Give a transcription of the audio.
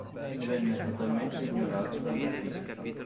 Venne totalmente ignorato dalla critica.